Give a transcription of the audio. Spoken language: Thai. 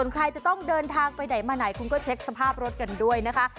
ใครจะต้องเดินทางไปไหนมาไหนคุณก็เช็คสภาพรถกันด้วยนะคะ